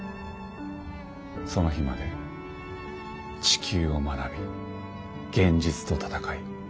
その日まで地球を学び現実と戦い